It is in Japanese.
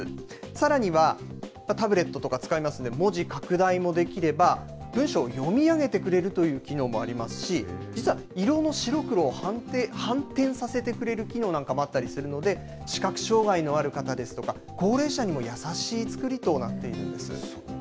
さらにはタブレットとか使えますんで、文字拡大もできれば、文章を読み上げてくれるという機能もありますし、実は色の白黒を反転させてくれる機能なんかもあったりするので、視覚障害のある方ですとか、高齢者にも優しい作りとなっているんです。